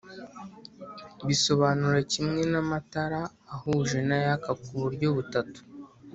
bisobanura kimwe n'amatara ahuje n'ayaka ku buryo butatu.